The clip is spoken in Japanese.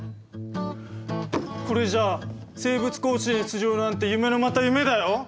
これじゃあ生物甲子園出場なんて夢のまた夢だよ。